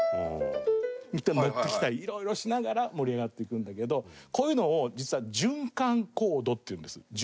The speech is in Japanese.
いって戻ってきたりいろいろしながら盛り上がっていくんだけどこういうのを実は、循環コードっていうんですよ。